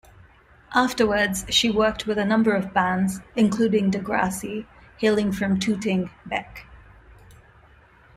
Afterwards, she worked with a number of bands, including Degrassi, hailing from Tooting Bec.